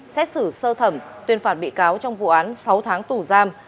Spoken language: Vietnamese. xét xử sơ thẩm tuyên phạt bị cáo trong vụ án sáu tháng tù giam